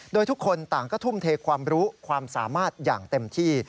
โดยทุกคนต่างก็ทุ่มเทความรู้ความสามารถอย่างเต็มที่